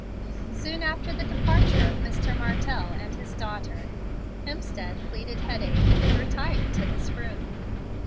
Soon after the departure of Mr. Martell and his daughter, Hemstead pleaded headache, and retired to his room.